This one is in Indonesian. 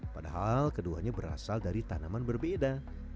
padahal keduanya berasal dari tanaman berbeda